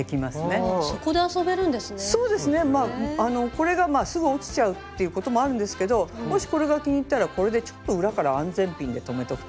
これがすぐ落ちちゃうっていうこともあるんですけどもしこれが気に入ったらこれでちょっと裏から安全ピンで留めとくとかね。